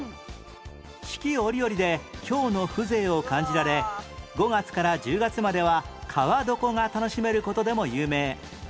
四季折々で京の風情を感じられ５月から１０月までは川床が楽しめる事でも有名